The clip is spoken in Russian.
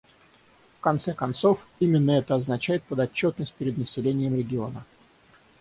В конце концов, именно это означает подотчетность перед населением региона.